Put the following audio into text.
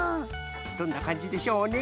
どんなかんじでしょうね？